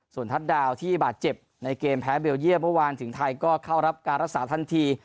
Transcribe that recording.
ส่วนทัศน์ดาวที่บาดเจ็บในเกมแพ้เบลเยี่ยมเมื่อวานถึงไทยก็เข้ารับการรักษาทันที